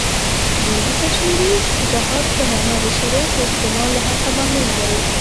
دوی د کشمیري جهاد په نامه د شریعت د استعمال له حقه محروم دی.